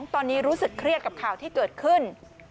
ตอนนี้รู้สึกเครียดกับข่าวที่เกิดขึ้น